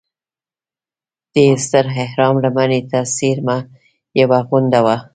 دې ستر اهرام لمنې ته څېرمه یوه غونډه وه.